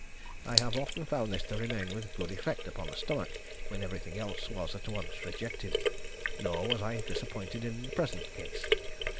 I have often found this to remain with good effect upon the stomach when everything else was at once rejected, nor was I disappointed in the present case.